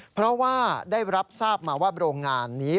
เพราะว่าได้รับทราบมาว่าโรงงานนี้